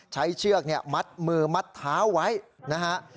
เชือกมัดมือมัดเท้าไว้นะฮะ